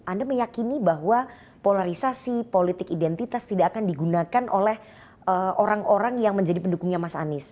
anda meyakini bahwa polarisasi politik identitas tidak akan digunakan oleh orang orang yang menjadi pendukungnya mas anies